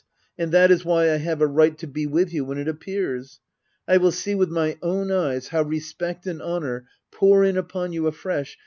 And that is why I have a right to be with you when it appears ! I will see with my own eyes how respect and honour pour in upon you afresh.